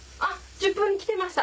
１０分来てました。